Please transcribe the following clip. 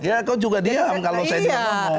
ya kau juga diam kalau saya tidak ngomong